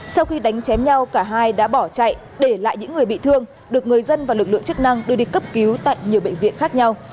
sau khi đánh chém nhau cả hai đã bỏ chạy để lại những người bị thương được người dân và lực lượng chức năng đưa đi cấp cứu tại nhiều bệnh viện khác nhau